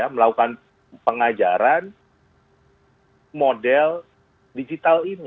melakukan pengajaran model digital ini